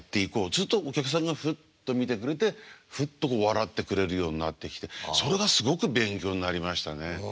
するとお客さんがフッと見てくれてフッと笑ってくれるようになってきてそれがすごく勉強になりましたね。